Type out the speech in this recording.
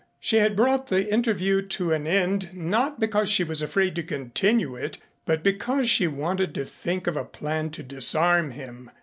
She had brought the interview to an end not because she was afraid to continue it but because she wanted to think of a plan to disarm him.